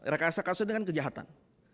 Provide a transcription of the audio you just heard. rekayasa kasus ini kan kejahatan